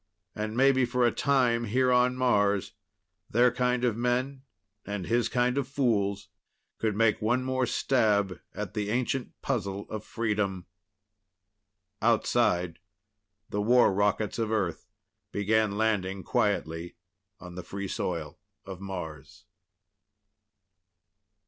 And maybe for a time here on Mars their kind of men and his kind of fools could make one more stab at the ancient puzzle of freedom. Outside the war rockets of Earth began landing quietly on the free soil of Mars.